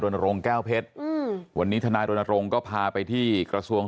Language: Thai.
โรนโรงแก้วเผ็ดอืมวันนี้ทำนายโรนโรงก็พาไปที่กระทรวง